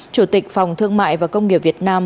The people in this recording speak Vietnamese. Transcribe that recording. chủ tịch phòng thương mại và công nghiệp việt nam